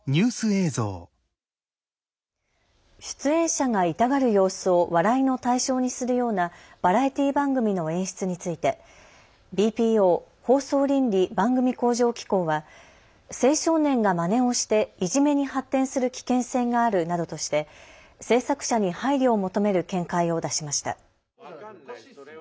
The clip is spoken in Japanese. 出演者が痛がる様子を笑いの対象にするようなバラエティー番組の演出についてＢＰＯ放送倫理・番組向上機構は青少年がまねをしていじめに発展する危険性があるなどとして制作者に配慮を求める見解を出しました。